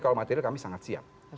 kalau material kami sangat siap